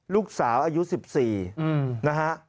ลูกสาวอายุ๑๔นะฮะ